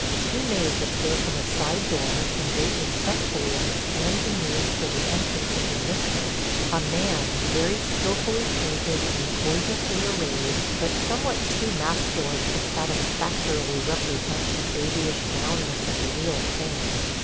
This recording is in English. Two maids appear from a side door and wait respectfully on their hands and knees for the entrance of their mistress, a man very skilfully painted and gorgeously arrayed, but somewhat too masculine to satisfactorily represent the babyish roundness of the real thing.